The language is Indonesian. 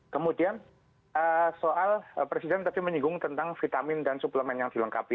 kemudian soal presiden tadi menyinggung tentang vitamin dan suplemen yang dilengkapi